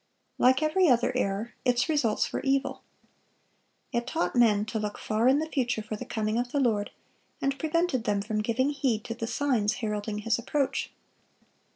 Like every other error, its results were evil. It taught men to look far in the future for the coming of the Lord, and prevented them from giving heed to the signs heralding His approach.